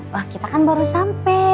wah kita kan baru sampai